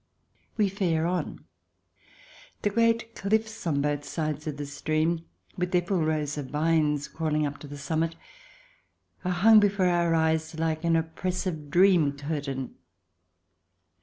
We fare on. The great cliffs on both sides of the stream, with their full rows of vines crawling up to the summit, are hung before our eyes like an oppres sive dream curtain.